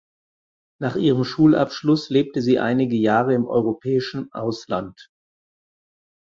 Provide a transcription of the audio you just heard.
Nach ihrem Schulabschluss lebte sie einige Jahre im europäischen Ausland.